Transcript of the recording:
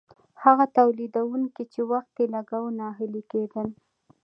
هغه تولیدونکي چې وخت یې لګاوه ناهیلي کیدل.